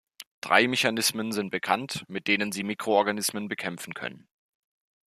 Drei Mechanismen sind bekannt, mit denen sie Mikroorganismen bekämpfen können.